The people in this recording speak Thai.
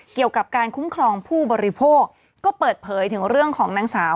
เกี่ยวกับการคุ้มครองผู้บริโภคก็เปิดเผยถึงเรื่องของนางสาว